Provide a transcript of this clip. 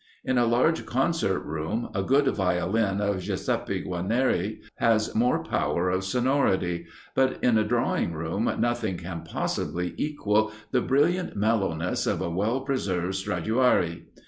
In a large concert room a good Violin of Giuseppe Guarnieri has more power of sonority; but in a drawing room nothing can possibly equal the brilliant mellowness of a well preserved Stradiuari.